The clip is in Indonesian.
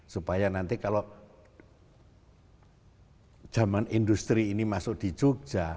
supaya nanti kalau zaman industri ini masuk di jogja